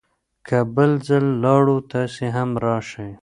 که بل ځل لاړو، تاسې هم راشئ.